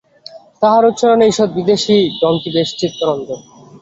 তাঁহার উচ্চারণে ঈষৎ বিদেশী ঢঙটি বেশ চিত্তরঞ্জক।